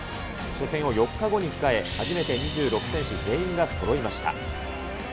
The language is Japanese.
初戦を４日後に控え、初めて２６選手全員がそろいました。